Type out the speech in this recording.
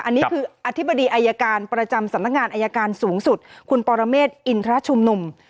อันนี้คืออธิบดีอายการประจำสำนักงานอายการสูงสุดคุณปรเมฆอินทรชุมนุม